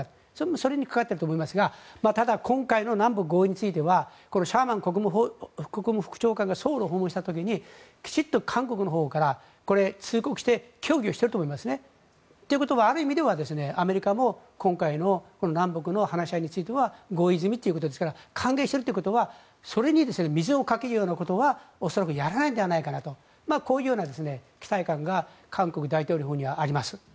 それにかかっていると思いますが今回の南北合意についてはシャーマン国務副長官がソウルを訪問した時にきちんと韓国のほうから通告して協議をしていると思いますね。ということはある意味ではアメリカも今回の南北の話し合いについては合意済みということですから歓迎しているということはそれに水をかけるようなことは恐らくやらないのではないかなとこういう期待感が韓国大統領府にはあります。